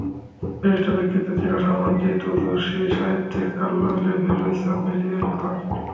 বিশিষ্ট ব্যক্তিত্ব চীনা সাম্রাজ্ঞী তুজুশি, সাহিত্যিক কার্লো ল্যাভি, লুইসা মেরি অ্যালকট।